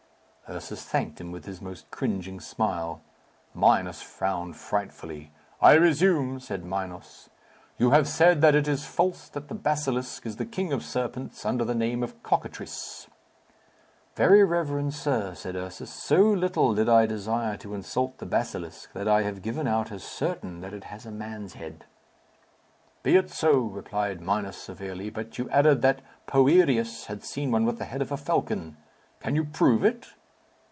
Ursus thanked him with his most cringing smile. Minos frowned frightfully. "I resume," said Minos. "You have said that it is false that the basilisk is the king of serpents, under the name of cockatrice." "Very reverend sir," said Ursus, "so little did I desire to insult the basilisk that I have given out as certain that it has a man's head." "Be it so," replied Minos severely; "but you added that Poerius had seen one with the head of a falcon. Can you prove it?"